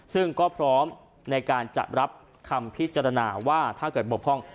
ซึ่งก็พร้อมในการจะรับคำพิจารณาว่าถ้าเกิดบกพร่อง